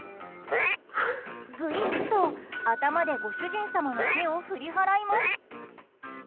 グイっと頭でご主人様の手を振り払います。